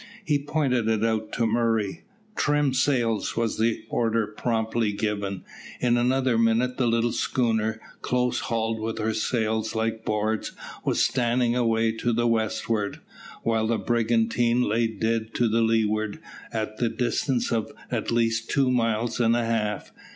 He pointed it out to Murray. "Trim sails," was the order promptly given. In another minute the little schooner, close hauled with her sails like boards, was standing away to the westward, while the brigantine lay dead to leeward at the distance of at least two miles and a half.